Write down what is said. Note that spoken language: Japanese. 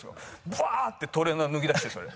バーッてトレーナー脱ぎだしてそれ。